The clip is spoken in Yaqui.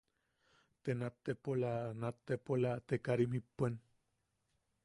Te nat tepola... nat tepola te karim jippuen.